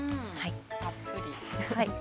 ◆たっぷり。